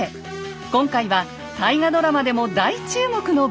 今回は大河ドラマでも大注目の武将たち。